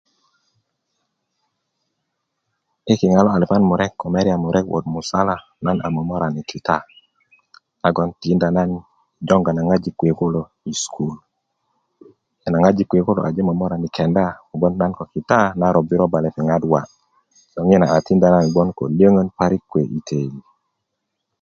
yi kiŋa lo elipu murek ko meria murek wot musala nan a momorani kita nagon tinda na jonga na ŋojik kuwe kulo i sukulu nyená ŋojik kuwe kulo aje momorani kenda kogbon na ko kita a nan robirobiri lepeŋat wa 'yena tida nan gbon ko löŋön kuwe i töili